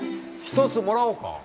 一つもらおうか。